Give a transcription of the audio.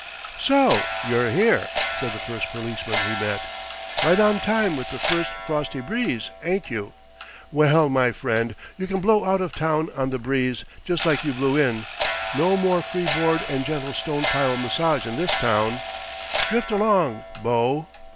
"So you're here," said the first policeman he met. "Right on time with the first frosty breeze, ain't you? Well, my friend, you can blow out of town on the breeze, just like you blew in. No more free board and gentle stone pile massage in this town. Drift along, bo!"